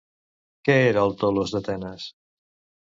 Què era el tolos d'Atenes?